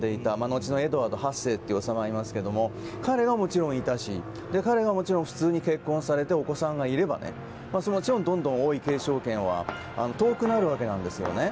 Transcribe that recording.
後のエドワード８世という王様がいますが彼がもちろんいましたし彼はもちろん普通に結婚されてお子さんがいればどんどん王位継承権は遠くなるわけなんですよね。